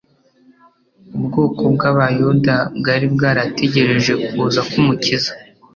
Ubwoko bw'Abayuda bwari bwarategereje kuza k'Umukiza,